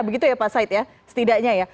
begitu ya pak said ya setidaknya ya